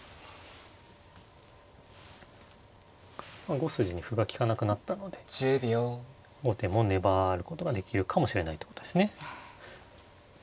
５筋に歩が利かなくなったので後手も粘ることができるかもしれないってことですね。